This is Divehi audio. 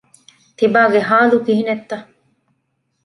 ތިބާގެ ޙާލު ކިހިނެއްތަ؟